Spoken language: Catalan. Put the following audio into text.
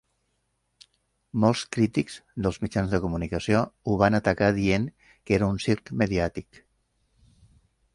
Molts crítics dels mitjans de comunicació ho van atacar dient que era un "circ mediàtic".